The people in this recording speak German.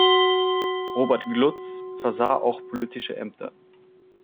Robert Glutz versah auch politische Ämter.